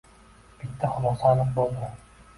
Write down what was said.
Bitta xulosa aniq bo`ldi